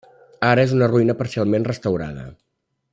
Ara és una ruïna parcialment restaurada.